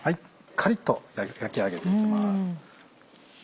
カリっと焼き上げていきます。